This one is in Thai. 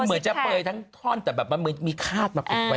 มันเหมือนจะเปลื่อยทั้งท่อนแต่มันมีคาดมากินไป